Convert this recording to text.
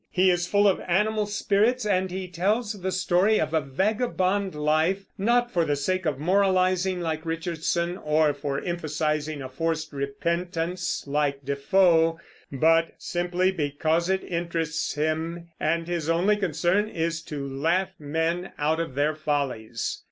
He is full of animal spirits, and he tells the story of a vagabond life, not for the sake of moralizing, like Richardson, or for emphasizing a forced repentance, like Defoe, but simply because it interests him, and his only concern is "to laugh men out of their follies."